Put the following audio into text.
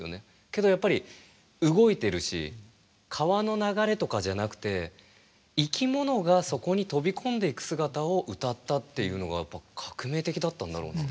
けどやっぱり動いてるし川の流れとかじゃなくて生き物がそこに飛び込んでいく姿を歌ったっていうのが革命的だったんだろうな。